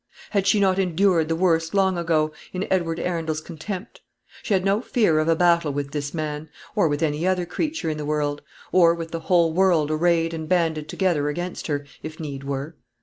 Had she not endured the worst long ago, in Edward Arundel's contempt? She had no fear of a battle with this man; or with any other creature in the world; or with the whole world arrayed and banded together against her, if need were.